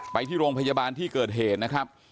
ไปที่โรงพยาบาลที่เกิดเหตุนะครับ